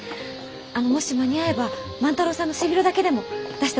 あのもし間に合えば万太郎さんの背広だけでも出してもらえません？